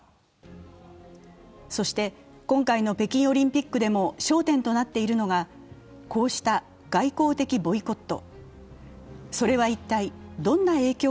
そして、今回の北京オリンピックでも焦点となっているのがこうした外交的ボイコット。